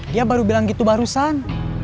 dia baru bilang gitu barusan